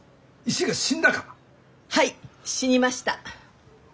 はい死にました。